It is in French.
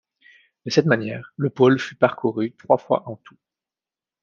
De cette manière, le pôle fut parcouru trois fois en tout.